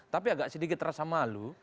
tapi agak sedikit rasa malu